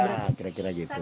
ya kira kira gitu